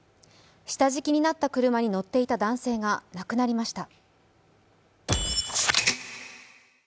下敷きになった車に乗っていた男性が亡くなりました。